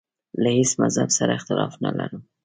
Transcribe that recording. له هیڅ مذهب سره اختلاف نه لرم.